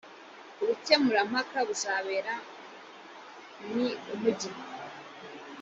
ubukemurampaka buzabera ni umugi